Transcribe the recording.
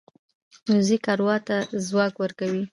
موزیک اروا ته ځواک ورکوي.